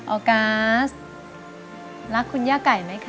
ออกัสรักคุณย่าไก่ไหมคะ